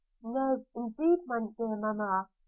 'No, indeed, my dear mamma!'